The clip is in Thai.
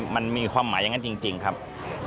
มันมีความหมายอย่างนั้นจริงครับ